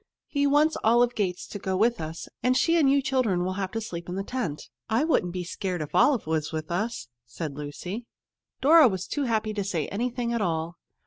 He wants Olive Gates to go with us, and she and you children would have to sleep in the tent." "I wouldn't be scared if Olive was with us," said Lucy. Dora was too happy to say anything at all.